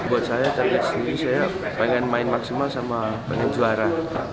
buat saya target sendiri saya pengen main maksimal sama pengen juara